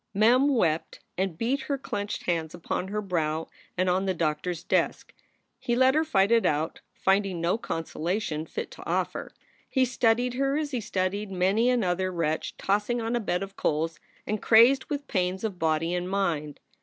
* Mem wept and beat her clenched hands upon her brow and on the doctor s desk. He let her fight it out, finding no consolation fit to offer. He studied her as he had studied many another wretch tossing on a bed of coals and crazed with pains of body and mind.